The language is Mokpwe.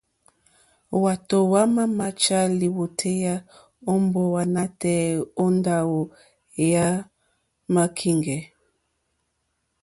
Hwátò hwámà máchá lìwòtéyá ó mbówà nǎtɛ̀ɛ̀ ó ndáwò yàmá kíŋgɛ̀.